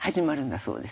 そうです。